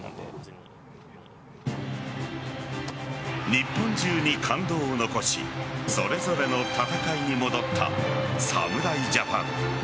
日本中に感動を残しそれぞれの戦いに戻った侍ジャパン。